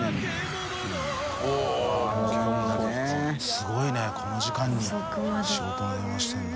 垢瓦いこの時間に仕事の電話してるんだ。